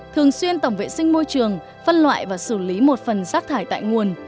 thường xuyên tổng vệ sinh môi trường phân loại và xử lý một phần rác thải tại nguồn